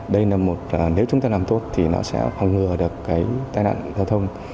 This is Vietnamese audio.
đây là một nếu chúng ta làm tốt thì nó sẽ phòng ngừa được cái tai nạn giao thông